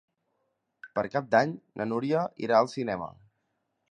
Per Cap d'Any na Núria irà al cinema.